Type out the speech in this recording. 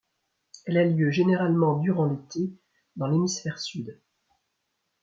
Elle a lieu généralement durant l'été dans l'hémisphère sud.